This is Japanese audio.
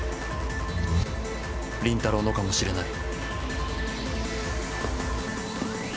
倫太郎のかもしれない。